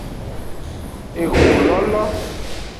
Exololo.